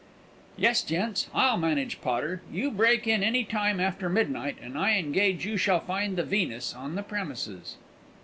"Yes, gents, I'll manage Potter. You break in any time after midnight, and I engage you shall find the Venus on the premises."